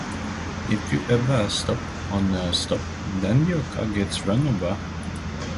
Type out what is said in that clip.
If you ever slow to a stop then your car gets run over.